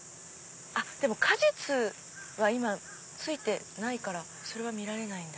果実は今ついてないからそれは見られないんだ。